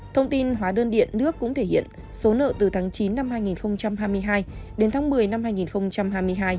thông tin hóa đơn điện nước cũng thể hiện số nợ từ tháng chín năm hai nghìn hai mươi hai đến tháng một mươi năm hai nghìn hai mươi hai